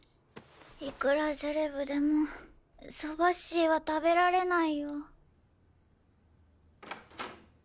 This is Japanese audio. いくらセレブでもそばっしーは食べられないよ。